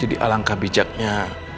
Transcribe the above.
jadi alangkah bijaknya